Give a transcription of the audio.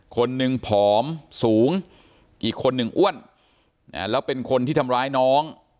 คนหนึ่งผอมสูงอีกคนหนึ่งอ้วนแล้วเป็นคนที่ทำร้ายน้อง